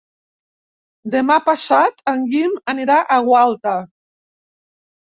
Demà passat en Guim anirà a Gualta.